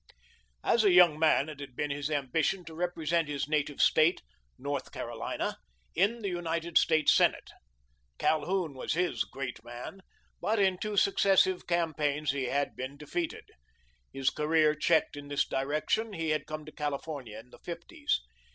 As a young man it had been his ambition to represent his native State North Carolina in the United States Senate. Calhoun was his "great man," but in two successive campaigns he had been defeated. His career checked in this direction, he had come to California in the fifties.